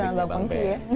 masalah bang pengki ya